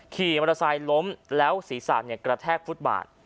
ขี่มอเตอร์ไซค์ล้มแล้วศีรษะกระแทกฟุตบาท